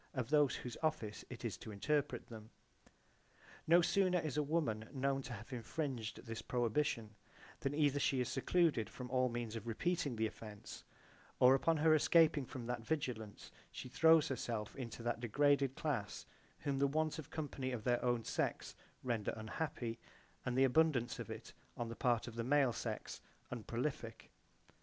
] of those whose office it is to interpret them. J.B.) No sooner is a woman known to have infringed this prohibition than either she is secluded from all means of repeating the offence, or upon her escaping from that vigilance she throws herself into that degraded class whom the want of company of their own sex render unhappy, and the abundance of it on the part of the male sex unprolific.